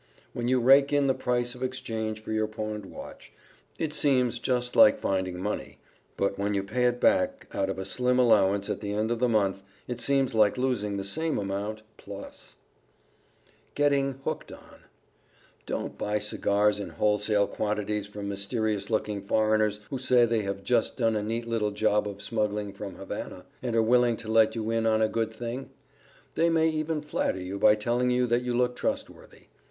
When you rake in the price of exchange for your pawned watch, it seems just like finding money, but when you pay it back out of a slim allowance at the end of the month, it seems like losing the same amount, plus. [Illustration: DONT PAWN YOUR WATCH DURING YOUR FIRST YEAR] [Sidenote: GETTING HOOKED ON] Don't buy cigars in wholesale quantities from mysterious looking foreigners, who say they have just done a neat little job of smuggling from Havana, and are willing to let you in on a good thing. They may even flatter you by telling you that you look trustworthy.